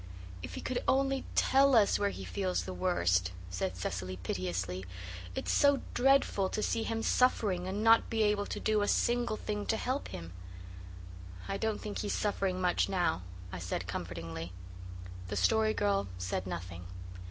"If he could only TELL us where he feels the worst!" said Cecily piteously. "It's so dreadful to see him suffering and not be able to do a single thing to help him!" "I don't think he's suffering much now," I said comfortingly. The Story Girl said nothing.